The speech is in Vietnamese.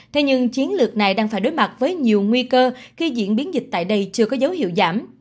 thế nhưng chiến lược này đang phải đối mặt với nhiều nguy cơ khi diễn biến dịch tại đây chưa có dấu hiệu giảm